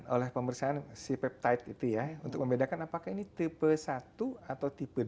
oleh pemeriksaan si peptide itu ya untuk membedakan apakah ini tipe satu atau tipe dua